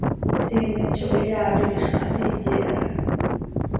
Siimet zo hiyaa piquix, ma hsiye aha.